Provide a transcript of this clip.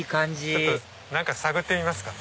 ちょっと探ってみますか。